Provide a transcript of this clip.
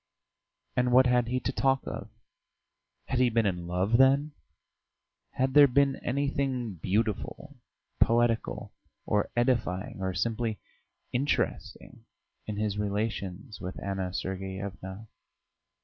And what had he to talk of? Had he been in love, then? Had there been anything beautiful, poetical, or edifying or simply interesting in his relations with Anna Sergeyevna?